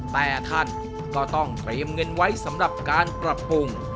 แต่ท่านก็ต้องเตรียมเงินไว้สำหรับการปรับปรุง